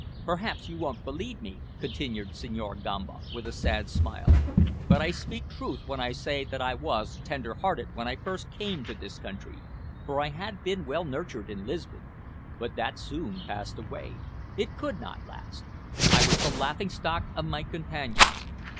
Perhaps you won't believe me," continued Senhor Gamba, with a sad smile, "but I speak truth when I say that I was tender hearted when I first came to this country, for I had been well nurtured in Lisbon; but that soon passed away it could not last. I was the laughing stock of my companions.